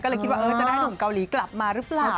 ก็เลยคิดว่าจะได้หนุ่มเกาหลีกลับมาหรือเปล่า